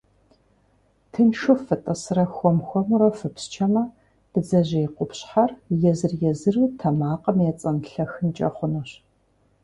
Тыншу фытӏысрэ хуэм-хуэмурэ фыпсчэмэ, бдзэжьей къупщхьэр езыр-езыру тэмакъым ецӏэнлъэхынкӏэ хъунущ.